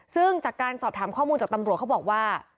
ซึ่งจากการสอบถามข้อมูลจากตำรวจเขาบอกว่า